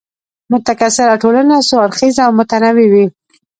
متکثره ټولنه څو اړخیزه او متنوع وي.